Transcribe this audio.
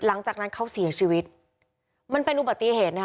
หลังจากนั้นเขาเสียชีวิตมันเป็นอุบัติเหตุนะคะ